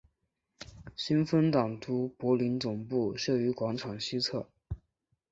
新芬党都柏林总部设于广场西侧。